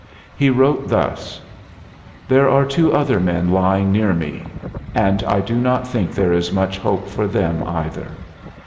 He wrote thus: "There are two other men lying near me, and I do not think there is much hope for them either.